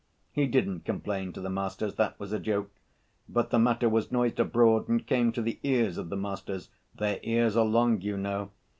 He didn't complain to the masters, that was a joke, but the matter was noised abroad and came to the ears of the masters. Their ears are long, you know!